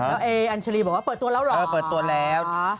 แล้วเออัญชาลีบอกว่าเปิดตัวแล้วหรอ